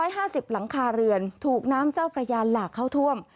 ๑๕๐หลังคาเรือนถูกน้ำเจ้าประญาณหลากเข้าท่วม